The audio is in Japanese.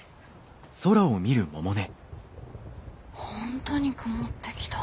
本当に曇ってきた。